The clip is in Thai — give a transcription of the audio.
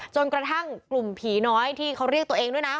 จนกระทั่งกลุ่มผีน้อยที่เขาเรียกตัวเองด้วยนะ